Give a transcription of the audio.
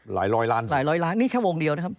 ร้อยล้านหลายร้อยล้านนี่แค่วงเดียวนะครับ